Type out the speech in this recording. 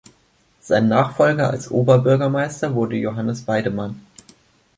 Sein Nachfolger als Oberbürgermeister wurde Johannes Weidemann.